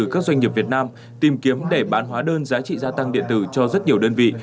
các doanh nghiệp việt nam tìm kiếm để bán hóa đơn giá trị gia tăng điện tử cho rất nhiều đơn vị